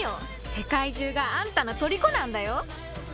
世界中があんたの虜なんだよ？